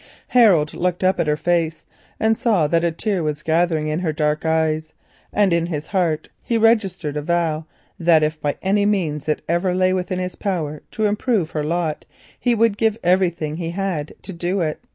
Harold looked up at her face and saw that a tear was gathering in her dark eyes and in his heart he registered a vow that if by any means it ever lay within his power to improve her lot he would give everything he had to do it.